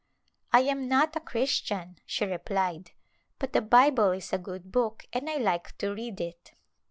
" I am not a Christian," she replied, "but the Bible is a good book and I like to read it."